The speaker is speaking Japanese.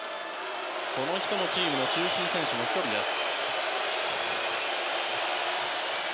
この人もチームの中心選手の１人です。